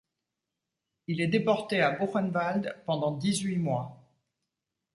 Il est déporté à Buchenwald pendant dix-huit mois.